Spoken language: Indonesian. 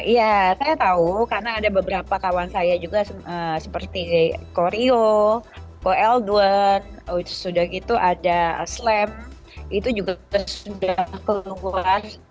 ya saya tahu karena ada beberapa kawan saya juga seperti korio ko eldwer sudah gitu ada slam itu juga sudah keluar